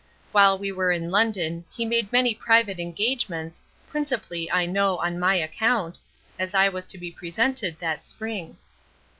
While we were in London he made many private engagements, principally, I know, on my account, as I was to be presented that spring.